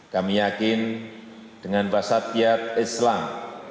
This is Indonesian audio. kami yakin dengan wasatyat islam